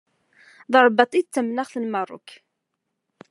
D Rrbaṭ i d tamanaɣt n Merruk.